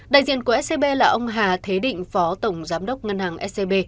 đại diện của scb là ông hà thế định phó tổng giám đốc ngân hàng scb